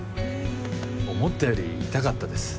思ったより痛かったです。